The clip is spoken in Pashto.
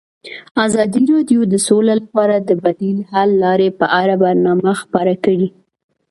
ازادي راډیو د سوله لپاره د بدیل حل لارې په اړه برنامه خپاره کړې.